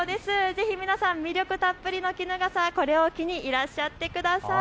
ぜひ皆さん、魅力たっぷりの衣笠、これを機にいらっしゃってください。